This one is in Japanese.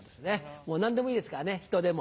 何でもいいですからね人でも。